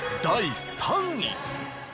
第３位。